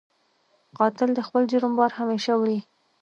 قاتل د خپل جرم بار همېشه وړي